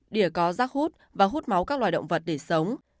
đỉa có rác hút và hút máu các loài động vật để sống